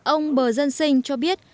ông bờ dân sinh cho biết